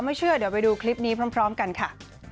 เชื่อเดี๋ยวไปดูคลิปนี้พร้อมกันค่ะ